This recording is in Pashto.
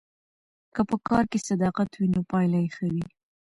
که په کار کې صداقت وي نو پایله یې ښه وي.